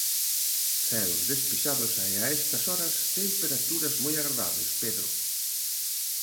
Ceos despexados e a estas horas temperaturas moi agradables, Pedro.